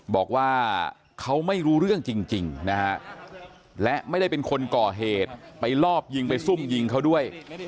บอกว่าเขาไม่รู้เรื่องจริงนะฮะและไม่ได้เป็นคนก่อเหตุไปลอบยิงไปซุ่มยิงเขาด้วย